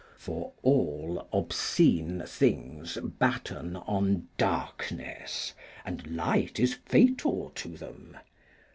For all obscene things batten on darkness, and light is fatal to them.